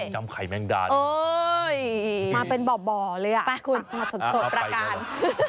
ำไข่แมงดาลมาเป็นบ่อเลยอ่ะไปคุณมาสดประการ